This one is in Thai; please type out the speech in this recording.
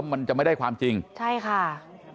แล้วมันหาทางออกไม่ได้หรอก